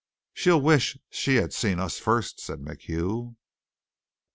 "She'll wish she'd seen us first," said MacHugh.